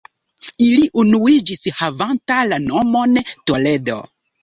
Ili unuiĝis havanta la nomon Toledo.